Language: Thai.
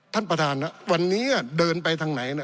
ท่านประธานวันนี้เดินไปทางไหน